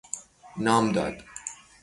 نام داد